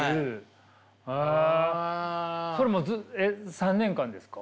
それは３年間ですか？